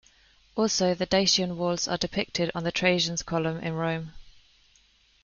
Also the Dacian walls are depicted on the Trajan's column in Rome.